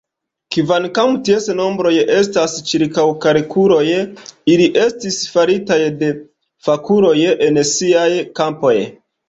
Kvankam ties nombroj estas ĉirkaŭkalkuloj, ili estis faritaj de fakuloj en siaj kampoj.